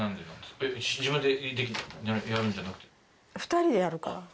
２人でやる？